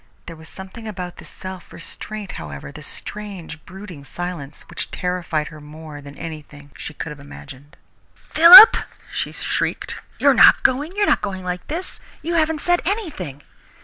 There was something about this self restraint, however, this strange, brooding silence, which terrified her more than anything she could have imagined. "Philip!" she shrieked. "You're not going? You're not going like this? You haven't said anything!"